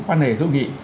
một quan hệ hữu nghị